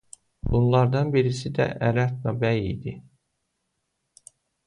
Bunlardan birisi də Ərətna bəy idi.